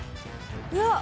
うわっ。